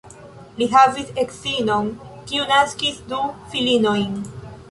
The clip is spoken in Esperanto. Li havas edzinon, kiu naskis du filinojn.